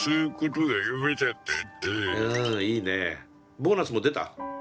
ボーナスも出た？